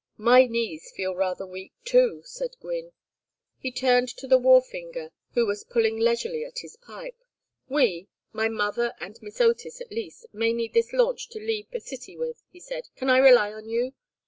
"My knees feel rather weak, too," said Gwynne. He turned to the wharfinger, who was pulling leisurely at his pipe. "We my mother and Miss Otis, at least, may need this launch to leave the city with," he said. "Can I rely on you?